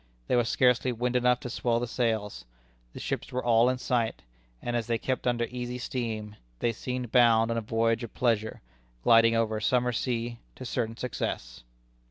There was scarcely wind enough to swell the sails. The ships were all in sight, and as they kept under easy steam, they seemed bound on a voyage of pleasure, gliding over a summer sea to certain success.